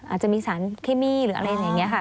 อาจจะมีสารเคมีหรืออะไรอย่างนี้ค่ะ